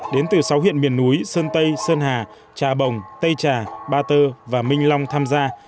đến từ sáu huyện miền núi sơn tây sơn hà trà bồng tây trà ba tơ và minh long tham gia